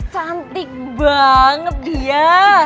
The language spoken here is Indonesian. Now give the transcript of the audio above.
cantik banget dia